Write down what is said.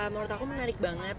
menurut aku menarik banget